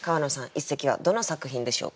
一席はどの作品でしょうか？